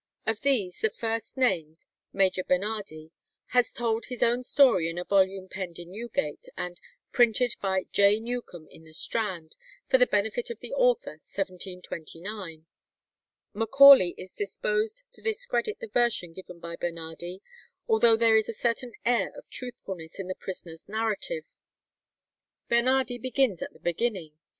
Of these, the first named, Major Bernardi, has told his own story in a volume penned in Newgate, and "printed by J. Newcomb, in the Strand, for the benefit of the author, 1729." Macaulay is disposed to discredit the version given by Bernardi, although there is a certain air of truthfulness in the prisoner's narrative. Bernardi begins at the beginning.